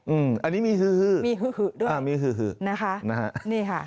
อืมอันนี้มีฮือมีฮือฮือด้วยอ่ามีฮือนะคะนะฮะนี่ค่ะ